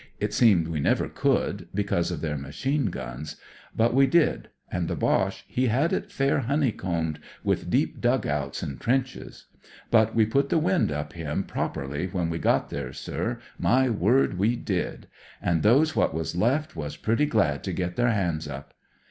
It seemed we never could, because of their machine guns; but we did, and the Boche he had it fair honeycombed with deep dug outs and trenches; but we put the wind up him properly when we got there, sir, my word we did, and those what was left was pretty glad to put their hands up.